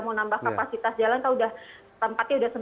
mau nambah kapasitas jalan tempatnya sudah selesai